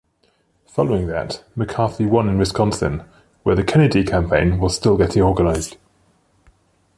Following that, McCarthy won in Wisconsin, where the Kennedy campaign was still getting organized.